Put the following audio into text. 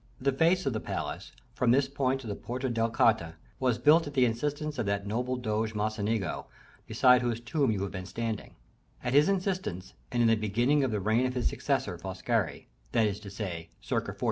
The face of the palace, from this point to the Porta della Carta, was built at the instance of that noble Doge Mocenigo beside whose tomb you have been standing; at his instance, and in the beginning of the reign of his successor, Foscari; that is to say, circa 1424.